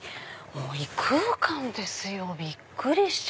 もう異空間ですよびっくりした。